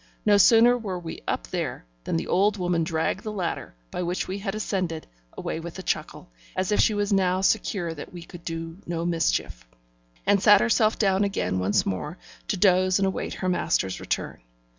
No sooner were we up there, than the old woman dragged the ladder, by which we had ascended, away with a chuckle, as if she was now secure that we could do no mischief, and sat herself down again once more, to doze and await her master's return.